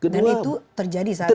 dan itu terjadi saat ini